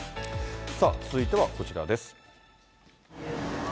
続いてはこちらです。